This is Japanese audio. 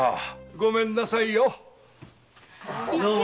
ごめんなさいよ。